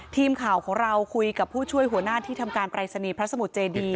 ทีมข่าวของเราคุยกับผู้ช่วยหัวหน้าที่ทำการปรายศนีย์พระสมุทรเจดี